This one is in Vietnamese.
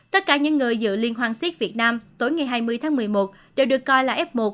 tất cả những người dự liên hoan siếc việt nam tối ngày hai mươi tháng một mươi một đều được coi là f một